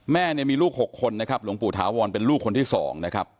แม่เนี่ยมีลูก๖คนนะครับหลวงปู่ถาวรเป็นลูกคนที่๒นะครับ